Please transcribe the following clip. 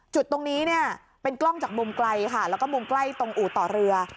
จุดตรงนี้เนี่ยเป็นกล้องจากมุมไกลค่ะแล้วก็มุมใกล้ตรงอู่ต่อเรือ